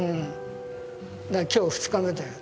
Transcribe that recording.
「今日２日目だよ」